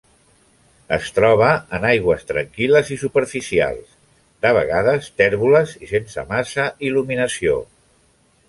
Es troba en aigües tranquil·les i superficials, de vegades tèrboles i sense massa il·luminació.